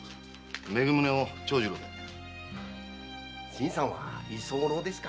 新さんは居候ですか。